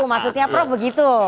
maksudnya prof begitu